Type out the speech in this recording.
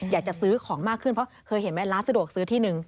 อยากจะซื้อของมากขึ้นเพราะเคยเห็นไหมร้านสะดวกซื้อที่หนึ่ง